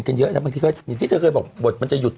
กันเยอะแล้วบางทีเขาอย่างที่เธอเคยบอกบทมันจะหยุด